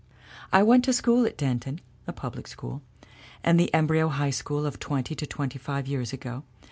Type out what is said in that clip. "I went to school at Denton, the public school, and the embryo High School of twenty to twenty five years ago.